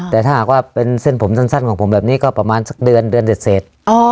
แต่ถ้าหากว่าเป็นเส้นผมสั้นของผมแบบนี้ก็ประมาณสักเดือนเดือนเสร็จ